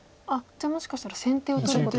じゃあもしかしたら先手を取ることが。